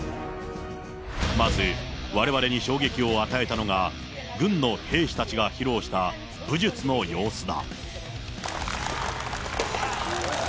まず、われわれに衝撃を与えたのは、軍の兵士たちが披露した武術の様子だ。